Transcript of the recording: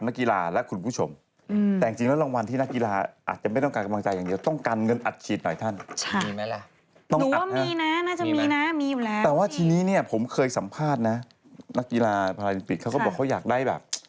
นักกีฬาพลาอลิมปิกเขาบอกว่าอยากได้แบบ